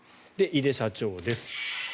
井出社長です。